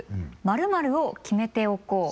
「○○を決めておこう！」。